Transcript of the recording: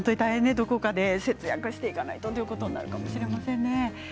どこかで節約していかないとということかもしれませんね。